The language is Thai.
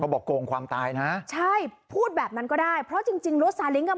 บอกโกงความตายนะใช่พูดแบบนั้นก็ได้เพราะจริงจริงรถซาเล้งอ่ะ